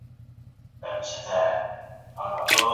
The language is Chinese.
少花虾脊兰为兰科虾脊兰属下的一个种。